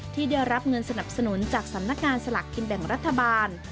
ที่ได้รับเงินสนับสนุนจากสำนักงานสลักกินแบ่งรัฐบาล